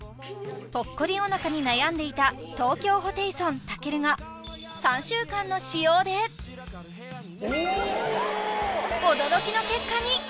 ぽっこりおなかに悩んでいた東京ホテイソンたけるが３週間の使用で驚きの結果に！